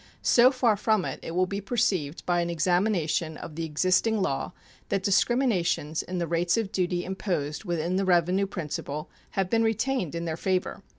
So far from it, it will be perceived by an examination of the existing law that discriminations in the rates of duty imposed within the revenue principle have been retained in their favor.